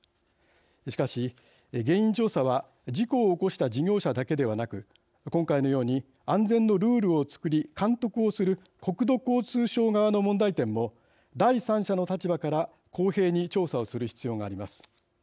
しかし、原因調査は事故を起こした事業者だけではなく今回のように安全のルールを作り監督をする国土交通省側の問題点も第三者の立場から公平に調査をする必要があります。